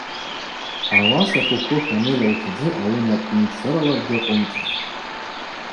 Ауаса Коко Шанель лтдзы ауи напӏ мцырала дгьакъвымцӏхтӏ.